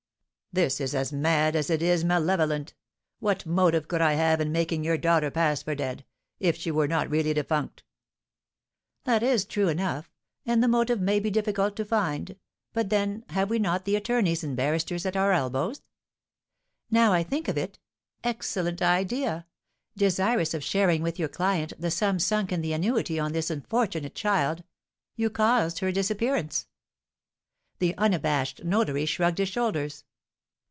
"This is as mad as it is malevolent! What motive could I have in making your daughter pass for dead, if she were not really defunct?" "That is true enough, and the motive may be difficult to find; but, then, have we not the attorneys and barristers at our elbows? Now I think of it (excellent idea!), desirous of sharing with your client the sum sunk in the annuity on this unfortunate child, you caused her disappearance." The unabashed notary shrugged his shoulders.